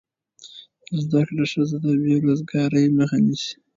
زده کړه ښځه د بېروزګارۍ مخه نیسي.